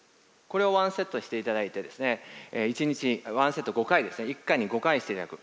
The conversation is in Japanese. これを１セットしていただいて１セット５回１回に５回していただく。